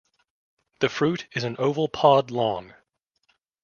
The fruit is an oval pod long.